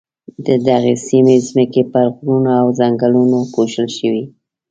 د دغې سیمې ځمکې پر غرونو او ځنګلونو پوښل شوې.